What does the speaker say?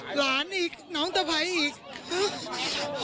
หลานอีกน้องตะไพอีก